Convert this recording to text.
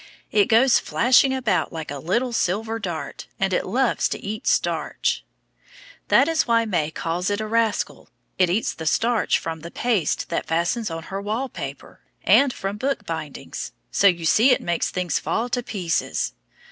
It goes flashing about like a little silver dart, and it loves to eat starch. That is why May calls it a rascal. It eats the starch from the paste that fastens on her wall paper, and from book bindings, so you see it makes things fall to pieces.